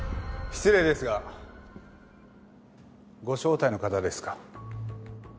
失礼ですがご招待の方ですか？